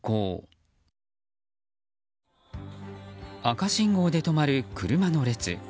赤信号で止まる車の列。